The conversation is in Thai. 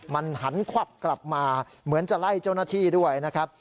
มันหันควับกลับมาเหมือนจะไล่เจ้าหน้าที่ด้วยนะครับ